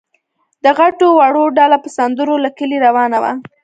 د غټو وړو ډله په سندرو له کلي روانه وه.